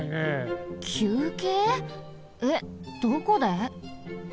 えっどこで？